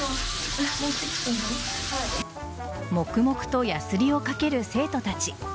黙々とヤスリをかける生徒たち。